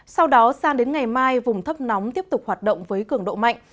sau đó sang đến ngày mai vùng thấp nóng tiếp tục hoạt động với cường độ mạnh